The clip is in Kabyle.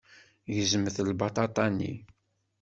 Gezmet lbaṭaṭa-nni.